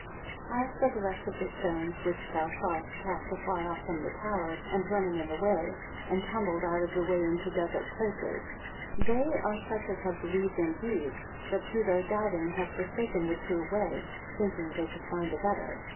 73 As for the rest of the stones which thou sawest cast afar off from the tower, and running in the way, and tumbled out of the way into desert places; they are such as have believed indeed, but through their doubting have forsaken the true way, thinking that they could find a better.